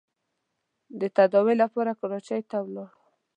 د تداوۍ لپاره کراچۍ ته ولاړ.